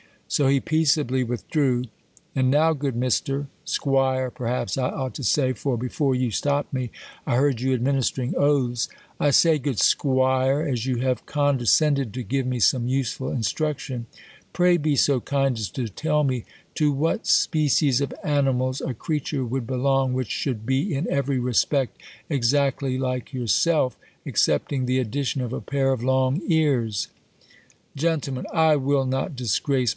So he peaceably withdrew. And> now, good Mister, ^Squire, per haps I ought to say ; for, before you stopped me, I heard you administering oaths ;) I say good 'Squire, as you have condescended to give me some useful in struction, pray be so kind as to tell me, to what spe cies of animals a creature v/ould belong, which should be, in every respect, exactly like yourself, excepting the addition of a pair of long ears ? Gent. I will not disgrace my.